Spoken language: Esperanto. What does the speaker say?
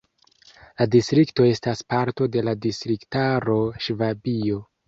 La distrikto estas parto de la distriktaro Ŝvabio.